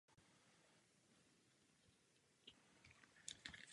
Děti pomáhají s prací od útlého věku.